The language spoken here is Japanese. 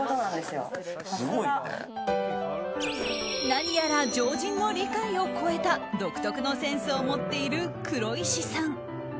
何やら常人の理解を超えた独特のセンスを持っている黒石さん。